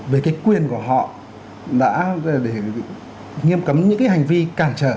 về cái quyền của họ đã để nghiêm cấm những cái hành vi cản trời